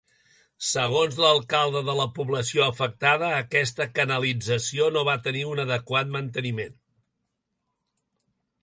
Segons l'alcalde de la població afectada aquesta canalització no va tenir un adequat manteniment.